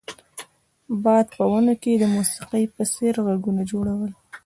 باد په ونو کې د موسیقۍ په څیر غږونه جوړول